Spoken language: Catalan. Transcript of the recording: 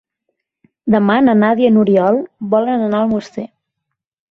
Demà na Nàdia i n'Oriol volen anar a Almoster.